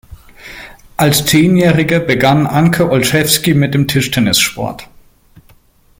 Als Zehnjährige begann Anke Olschewski mit dem Tischtennissport.